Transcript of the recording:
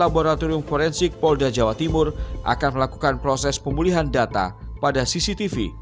laboratorium forensik polda jawa timur akan melakukan proses pemulihan data pada cctv